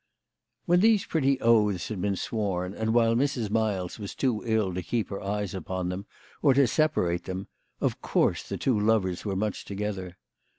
WHEN these pretty oaths had been sworn, and while Mrs. Miles was too ill to keep her eyes upon them or to separate them, of course the two lovers were much together.